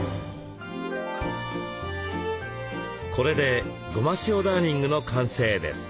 これでゴマシオダーニングの完成です。